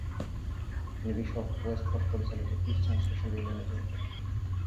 তিনি bishop Westcott পরিচালিত Christian social ইউনিয়নে যোগ দেন।